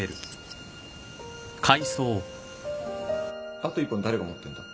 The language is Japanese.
あと１本誰が持ってんだ？